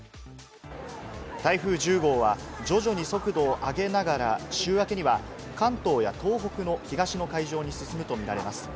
台風１０号は徐々に速度を上げながら、週明けには関東や東北の東の海上に進むと見られます。